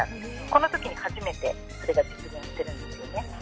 この時に初めてそれが実現してるんですよね。